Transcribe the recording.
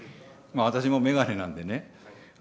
私も眼鏡なんでね。